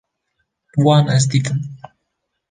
Wan ez dîtim